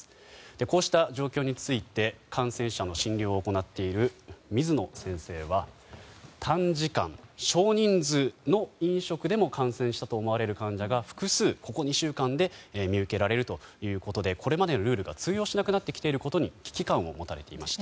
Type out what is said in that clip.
こうした状況について感染者の診療を行っている水野先生は短時間、少人数の飲食でも感染したと思われる患者が複数ここ２週間で見受けられるということでこれまでのルールが通用しなくなってきていることに危機感を持たれていました。